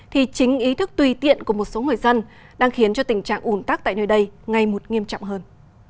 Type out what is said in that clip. thì chính ý thức tùy tiện của một số người dân đang khiến cho tình trạng ủn tắc tại nơi đây ngay một nghiêm trọng hơn